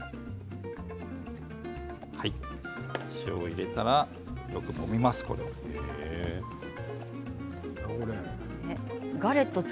塩を入れたらよくもみます、これを。